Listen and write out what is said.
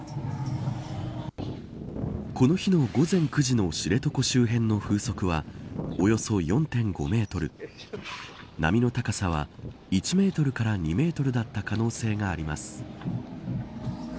この日の午前９時の知床周辺の風速はおよそ４．５メートル波の高さは１メートルから２メートルだった可能性があります。